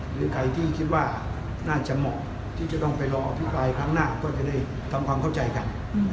หรือใครที่คิดว่าน่าจะเหมาะที่จะต้องไปรออภิปรายครั้งหน้าก็จะได้ทำความเข้าใจกัน